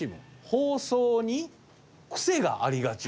「放送にクセがありがち」。